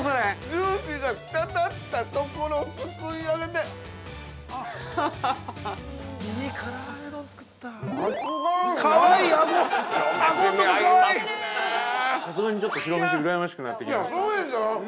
◆ジューシーがしたたったところすくい上げて間違いない！